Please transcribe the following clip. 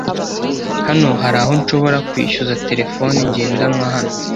Hano hari aho nshobora kwishyuza terefone ngendanwa hano?